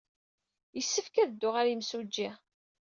Yessefk ad dduɣ ɣer yimsujji.